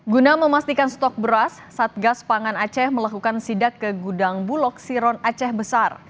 guna memastikan stok beras satgas pangan aceh melakukan sidak ke gudang bulog siron aceh besar